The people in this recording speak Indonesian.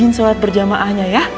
rajin sholat berjamaahnya ya